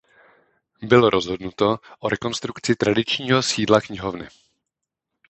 Bylo rozhodnuto o rekonstrukci tradičního sídla knihovny.